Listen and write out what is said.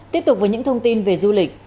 tiếp tục với những thông tin về du lịch